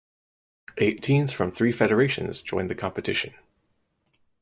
Eight teams from three federations joined the competition.